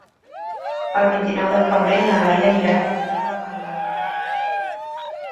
El vint-i-nou de febrer na Laia anirà a l'Espluga Calba.